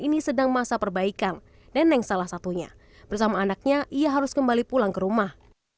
ini sedang masa perbaikan neneng salah satunya bersama anaknya ia harus kembali pulang ke rumah